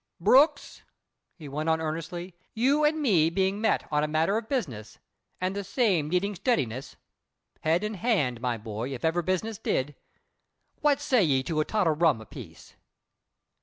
"Brooks," he went on earnestly, "you and me being met on a matter of business, and the same needin' steadiness head and hand, my boy, if ever business did what d'ye say to a tot of rum apiece?"